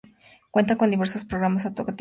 Cuenta con diversos programas acuáticos de salud.